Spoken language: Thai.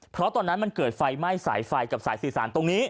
เพราะตอนนั้นมันเกิดไฟไหม้สายไฟกับสายสื่อสารตรงนี้